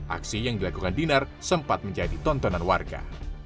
aksi yang dilakukan dinar sempat menjadi tontonan warga